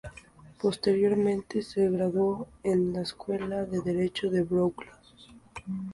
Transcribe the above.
Posteriormente se graduó en la Escuela de Derecho de Brooklyn.